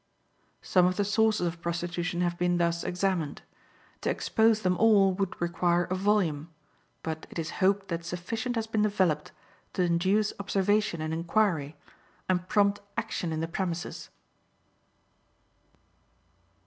Some of the sources of prostitution have been thus examined. To expose them all would require a volume; but it is hoped that sufficient has been developed to induce observation and inquiry, and prompt action in the premises.